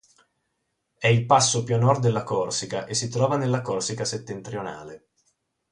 È il passo più a nord della Corsica e si trova nella Corsica settentrionale.